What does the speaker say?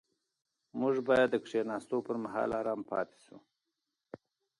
موږ باید د کښېناستو پر مهال ارام پاتې شو.